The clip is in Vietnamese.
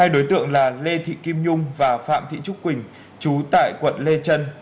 hai đối tượng là lê thị kim nhung và phạm thị trúc quỳnh chú tại quận lê trân